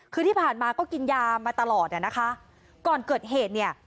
คือที่ผ่านมาก็กินยามาตลอดอ่ะนะคะก่อนเกิดเหตุเนี่ย